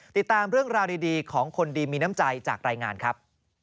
ติดตามเรื่องราวดีของคนดีมีน้ำใจจากรายงานครับ